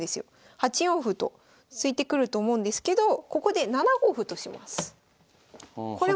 ８四歩と突いてくると思うんですけどここで７五歩とします。